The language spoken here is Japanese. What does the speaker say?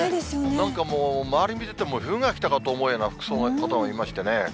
なんかもう、周り見てても冬が来たかと思うような服装の方もいましてね。